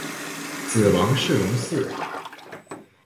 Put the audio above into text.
子王士隆嗣。